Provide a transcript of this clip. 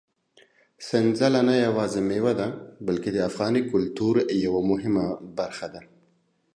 سنځله نه یوازې مېوه ده، بلکې د افغاني کلتور یوه مهمه برخه ده.